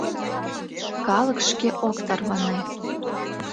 — Калык шке ок тарване.